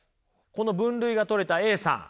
この分類が取れたＡさん。